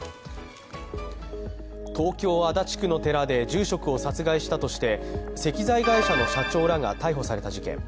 東京・足立区の寺で住職を殺害したとして石材会社の社長らが逮捕された事件。